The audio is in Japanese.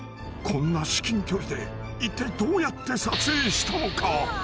こんな至近距離で一体どうやって撮影したのか。